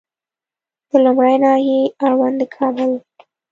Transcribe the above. د لومړۍ ناحیې اړوند د کابل